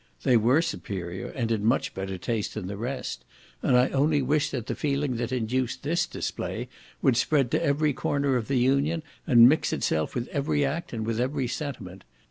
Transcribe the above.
They were superior, and in much better taste than the rest; and I only wish that the feeling that induced this display would spread to every corner of the Union, and mix itself with every act and with every sentiment.